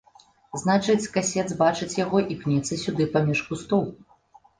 Значыць, касец бачыць яго і пнецца сюды паміж кустоў.